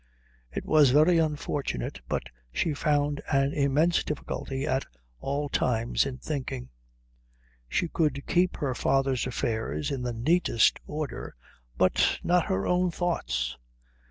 It was very unfortunate, but she found an immense difficulty at all times in thinking. She could keep her father's affairs in the neatest order, but not her own thoughts.